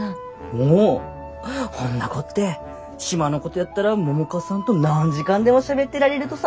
おおほんなこって島のことやったら百花さんと何時間でもしゃべってられるとさ！